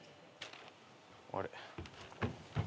あれ？